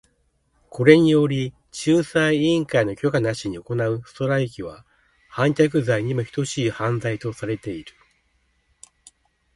これにより、仲裁委員会の許可なしに行うストライキは反逆罪にも等しい犯罪とされている。